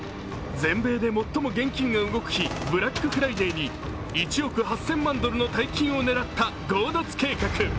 全米で最も現金が動く日、ブラックフライデーに１億８０００万ドルの大金を狙った強奪計画。